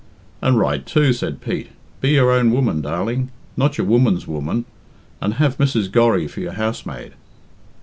"And right, too," said Pete. "Be your own woman, darling not your woman's woman and have Mrs. Gorry for your housemaid."